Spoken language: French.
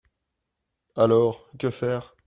Alors, que faire?